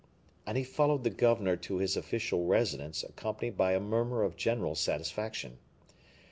And he followed the governor to his official residence, accompanied by a murmur of general satisfaction.